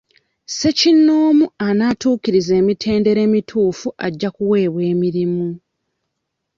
Ssekinnoomu anaatuukiriza emitendera emituufu ajja kuweebwa emirimu.